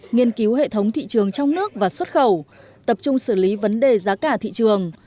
nghiên cứu hệ thống thị trường trong nước và xuất khẩu tập trung xử lý vấn đề giá cả thị trường